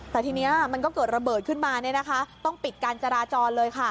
แต่ทีนี้มันก็เกิดระเบิดขึ้นมาต้องปิดการจราจรเลยค่ะ